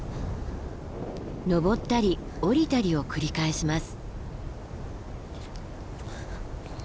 登ったり下りたりを繰り返します。